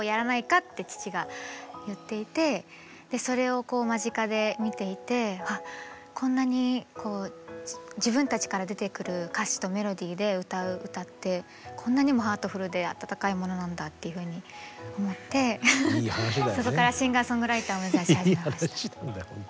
それをこう間近で見ていてこんなに自分たちから出てくる歌詞とメロディーで歌う歌ってこんなにもハートフルであたたかいものなんだっていうふうに思ってそこからシンガーソングライターを目指し始めました。